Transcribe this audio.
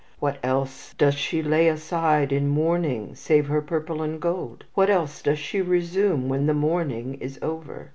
What else does she lay aside in mourning save her purple and gold? What else does she resume when the mourning is over?